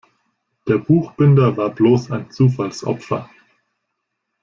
Der Buchbinder war bloß ein Zufallsopfer.